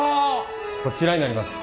こちらになります。